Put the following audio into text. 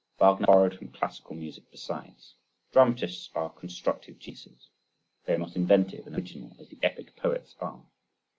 Wagner borrowed from classical music besides. Dramatists are constructive geniuses, they are not inventive and original as the epic poets are.